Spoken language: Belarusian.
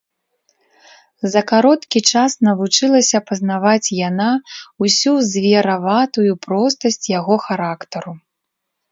За кароткі час навучылася пазнаваць яна ўсю звераватую простасць яго характару.